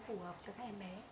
phù hợp cho các em bé